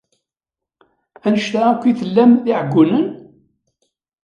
Annect-a akk i tellam d iɛeggunen?